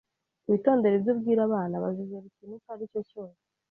Witondere ibyo ubwira abana. Bazizera ikintu icyo ari cyo cyose